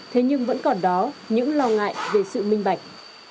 thế nhưng vẫn còn đó những lo ngại về sự minh bạch